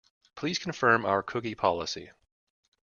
Please confirm our cookie policy.